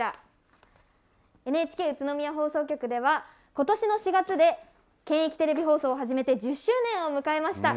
ＮＨＫ宇都宮放送局は今年の４月で県域テレビ放送を始めて１０周年を迎えました。